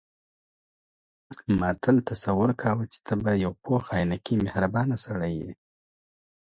ما تل تصور کاوه چې ته به یو پوخ عینکي مهربانه سړی یې.